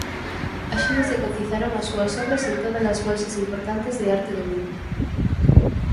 Axiña se cotizaron as súas obras en tódalas bolsas importantes de arte do mundo.